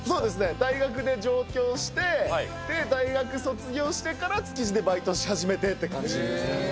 大学で上京して、大学卒業してから築地でバイトし始めてっていう感じです。